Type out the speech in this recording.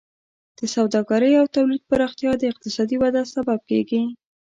د سوداګرۍ او تولید پراختیا د اقتصادي وده سبب کیږي.